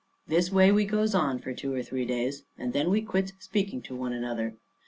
This way we goes on for two or three days, and then we quits speaking to one another.